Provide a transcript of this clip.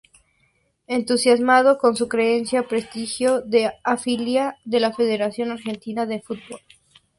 Entusiasmado con su creciente prestigio se afilia a la Federación Argentina de Football.